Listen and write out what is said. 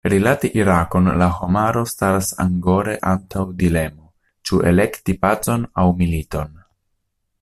Rilate Irakon la homaro staras angore antaŭ dilemo, ĉu elekti pacon aŭ militon.